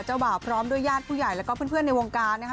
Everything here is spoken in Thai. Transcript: บ่าวพร้อมด้วยญาติผู้ใหญ่แล้วก็เพื่อนในวงการนะคะ